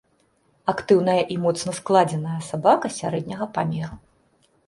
Актыўная і моцна складзеная сабака сярэдняга памеру.